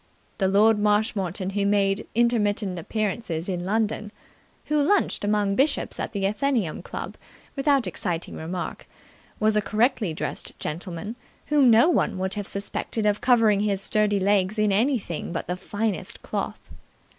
The Lord Marshmoreton who made intermittent appearances in London, who lunched among bishops at the Athenaeum Club without exciting remark, was a correctly dressed gentleman whom no one would have suspected of covering his sturdy legs in anything but the finest cloth.